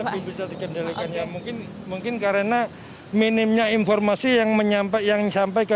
lebih bisa dikendalikan ya mungkin karena minimnya informasi yang sampai ke masyarakat